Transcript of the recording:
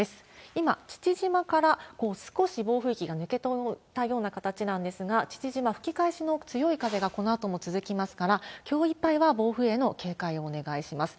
今、父島から少し暴風域が抜けたような形なんですが、父島、吹き返しの強い風がこのあとも続きますから、きょういっぱいは暴風への警戒をお願いします。